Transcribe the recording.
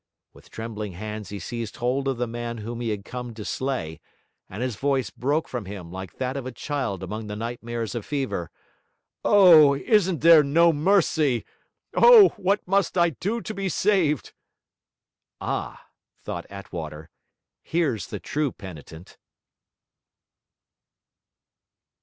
With trembling hands he seized hold of the man whom he had come to slay; and his voice broke from him like that of a child among the nightmares of fever: 'O! isn't there no mercy? O! what must I do to be saved?' 'Ah!' thought Attwater, 'here's the true penitent.'